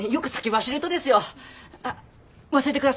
あ忘れてください。